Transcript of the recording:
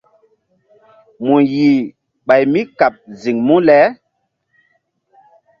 Mu yih ɓay mí kaɓ ziŋ mu le?